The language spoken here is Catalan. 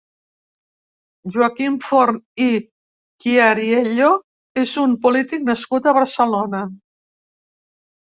Joaquim Forn i Chiariello és un polític nascut a Barcelona.